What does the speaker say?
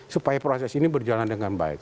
supaya proses ini berjalan dengan baik